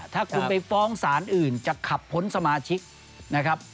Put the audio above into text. ถ้าคุณไปฟ้องศาลอื่นจะขับพ้นสมาชิกนะครับ